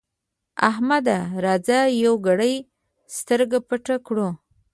احمده! راځه يوه ګړۍ سترګه پټه کړو.